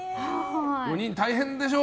４人、大変でしょう？